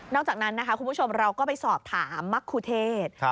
อกจากนั้นนะคะคุณผู้ชมเราก็ไปสอบถามมรรคูเทศ